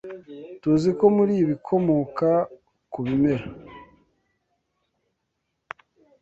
TUZI ko muri ibikomoka ku bimera.